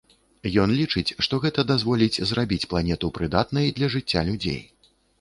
Ён лічыць, што гэта дазволіць зрабіць планету прыдатнай для жыцця людзей.